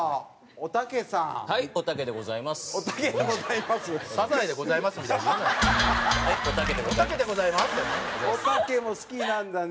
おたけも好きなんだね。